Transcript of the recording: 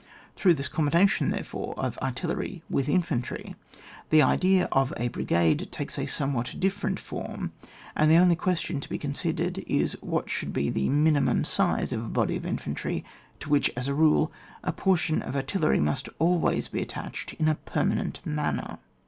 Through this combination, therefore, of artillery with infantry, the idea of a brigade takes a somewhat different form, and the only question to be considered is, what should be the minimum size of a body of infantry to which, as a rule, a portion of artillery must always be at tached in a permanent manner.